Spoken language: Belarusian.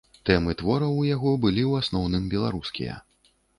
Тэмы твораў у яго былі ў асноўным беларускія.